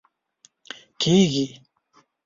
کېږي